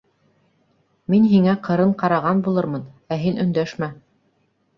Мин һиңә ҡырын ҡараған булырмын, ә һин өндәшмә.